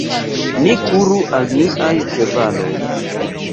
Ni kuru al niaj ĉevaloj.